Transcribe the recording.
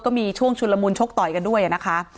ก็มีช่วงชุนละมุนชกต่อยกันด้วยนะคะ